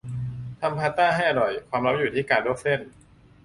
ทำพาสต้าให้อร่อย ความลับอยู่ที่การลวกเส้น